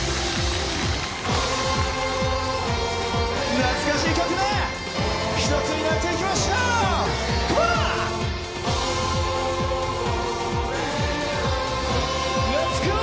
懐かしい曲で一つになっていきましょう！